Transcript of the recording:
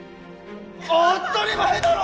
当ったり前だろ！